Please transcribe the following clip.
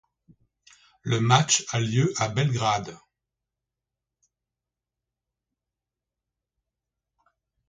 Le match a lieu le à Belgrade.